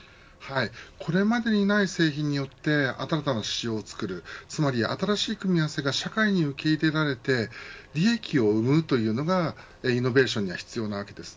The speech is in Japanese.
これまでにない製品によって新たな市場をつくるつまり新しい組み合わせが社会に受け入れられて利益を生むというのがイノベーションには必要なわけです。